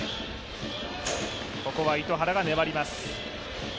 ここは糸原が粘ります。